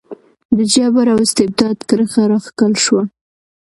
د جبر او استبداد کرښه راښکل شوه.